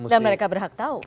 dan mereka berhak tahu